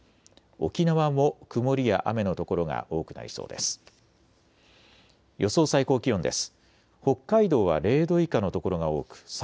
沖縄も曇りや雨の所が多くなりそうです。